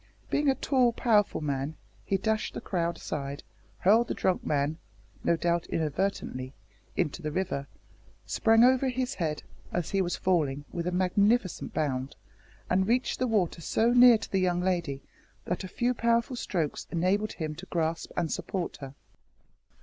Being a tall powerful man, he dashed the crowd aside, hurled the drunk man no doubt inadvertently into the river, sprang over his head, as he was falling, with a magnificent bound, and reached the water so near to the young lady that a few powerful strokes enabled him to grasp and support her.